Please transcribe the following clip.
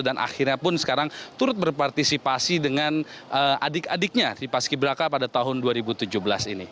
dan akhirnya pun sekarang turut berpartisipasi dengan adik adiknya di paski beraka pada tahun dua ribu tujuh belas ini